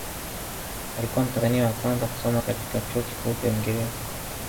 Alikuwa mtanzania wa kwanza kusoma katika chuo kikuu cha Uingereza